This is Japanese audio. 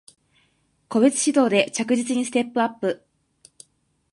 個別指導で着実にステップアップ